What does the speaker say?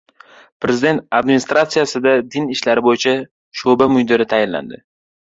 Prezident Administratsiyasida Din ishlari bo‘yicha sho‘’ba mudiri tayinlandi